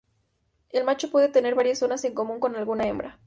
El macho puede tener varias zonas en común con alguna hembra.